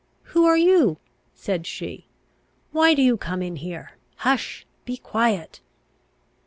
"Who are you?" said she. "Why do you come in here? Hush! be quiet!'